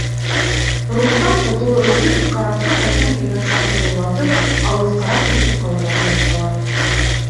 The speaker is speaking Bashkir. Руххтан ҡотолор өсөн, карапты хәлдән килгәнсә ҡыҙыулатып, алыҫҡараҡ китеп ҡалырға тырышалар.